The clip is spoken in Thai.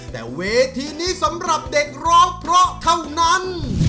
แต่เวทีนี้สำหรับเด็กร้องเพราะเท่านั้น